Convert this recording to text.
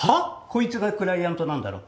こいつがクライアントなんだろ。